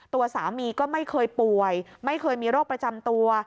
ตัวสามีก็ไม่เคยป่วยไม่เคยมีโรคประจำตัว